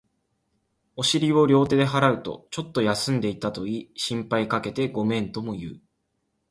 お尻を両手で払うと、ちょっと休んでいたと言い、心配かけてごめんとも言う